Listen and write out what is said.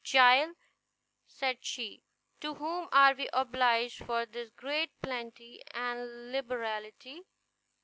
"Child," said she, "to whom are we obliged for this great plenty and liberality?